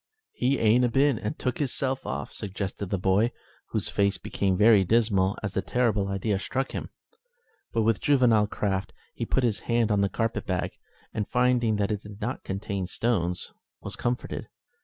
"He ain't a been and took hisself off?" suggested the boy, whose face became very dismal as the terrible idea struck him. But, with juvenile craft, he put his hand on the carpet bag, and finding that it did not contain stones, was comforted.